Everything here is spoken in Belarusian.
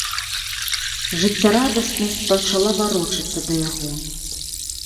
Жыццярадаснасць пачала варочацца да яго.